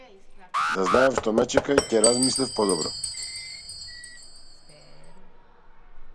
Да знаев што ме чека ќе размислев подобро.